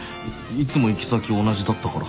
いつも行き先同じだったから。